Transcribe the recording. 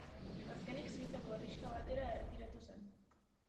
Azkenik, Suitzako herrixka batera erretiratu zen.